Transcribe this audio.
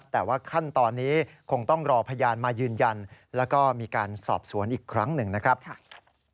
แต่ว่าขั้นตอนนี้คงต้องรอพยานมายืนยันแล้วก็มีการสอบสวนอีกครั้งหนึ่งนะครับ